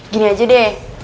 gini aja deh